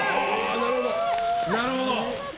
なるほど。